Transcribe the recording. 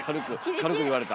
軽く言われた！